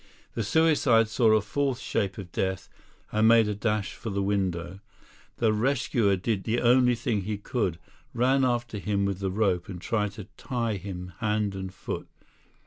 The suicide saw a fourth shape of death, and made a dash for the window. The rescuer did the only thing he could ran after him with the rope and tried to tie him hand and foot.